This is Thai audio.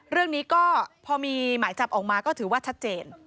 เรื่องนี้ก็พอมีหมายจับออกมาก็ถือว่าชัดเจน